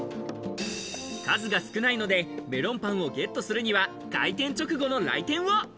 数が少ないので、メロンパンをゲットするには、開店直後の来店を。